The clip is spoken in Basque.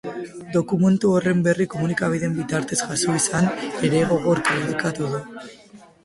Dokumentu horren berri komunikabideen bitartez jaso izan ere gogor kritikatu du.